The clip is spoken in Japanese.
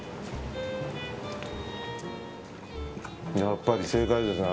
やっぱり正解ですね。